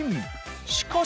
しかし。